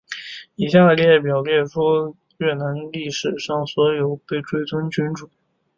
以下的列表列出越南历史上所有被追尊君主。